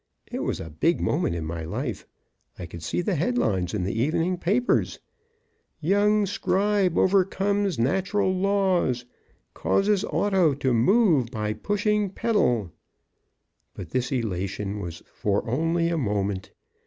It was a big moment in my life. I could see the headlines in the evening papers: YOUNG SCRIBE OVERCOMES NATURAL LAWS Causes Auto to Move by Pushing Pedal But this elation was for only a moment.